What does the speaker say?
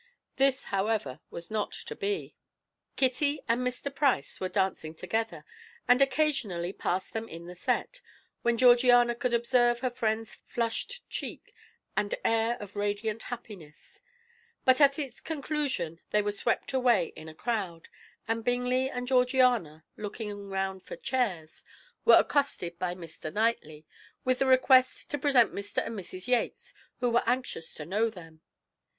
This, however, was not to be. Kitty and Mr. Price were dancing together, and occasionally passed them in the set, when Georgiana could observe her friend's flushed cheek and air of radiant happiness; but at its conclusion they were swept away in a crowd, and Bingley and Georgiana, looking round for chairs, were accosted by Mr. Knightley, with the request to present Mr. and Mrs. Yates, who were anxious to know them.